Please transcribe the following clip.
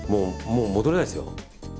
もう戻れないですよ。